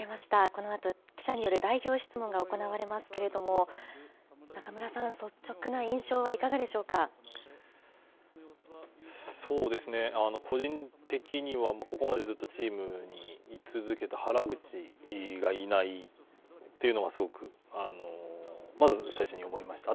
このあと、記者による代表質問が行われますけれども、中村さん、そうですね、個人的には、ここまでずっとチームに居続けた原口がいないというのはすごくまず最初に思いました。